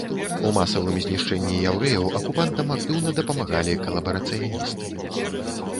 У масавым знішчэнні яўрэяў акупантам актыўна дапамагалі калабарацыяністы.